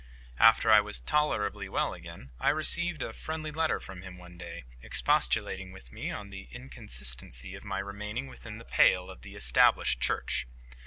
After I was tolerably well again, I received a friendly letter from him one day, expostulating with me on the inconsistency of my remaining within the pale of the ESTABLISHED CHURCH.